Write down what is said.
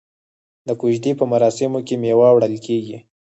د کوژدې په مراسمو کې میوه وړل کیږي.